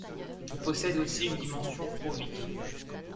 Elle possède aussi une dimension pro-vie.